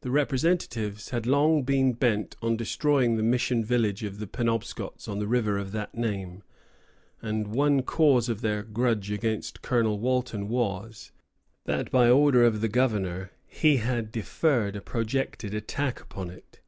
The representatives had long been bent on destroying the mission village of the Penobscots on the river of that name; and one cause of their grudge against Colonel Walton was that, by order of the governor, he had deferred a projected attack upon it.